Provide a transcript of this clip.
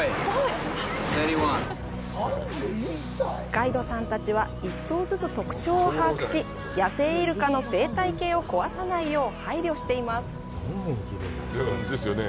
ガイドさんたちは一頭ずつ特徴を把握し野生イルカの生態系を壊さないよう配慮しています。